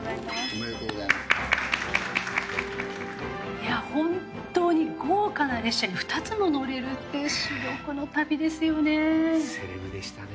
いや本当に豪華な列車に２つも乗れるっていう珠玉の旅ですよね。